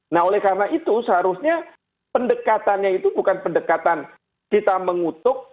nah oleh karena itu seharusnya pendekatannya itu bukan pendekatan kita mengutuk